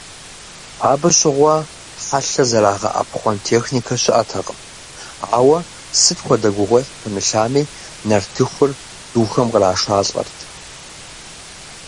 Абы щыгъуэ хьэлъэ зэрагъэӏэпхъуэн техникэ щыӏэтэкъым, ауэ, сыт хуэдэ гугъуехь пымылъами, нартыхур духэм кърашалӏэрт.